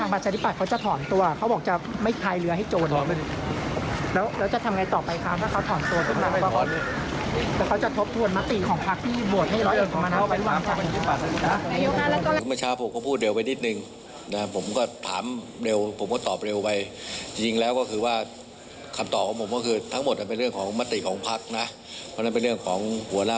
ไม่ว่าจะทำอะไรก็ตามมันต้องเป็นปฏิของภักดิ์นะ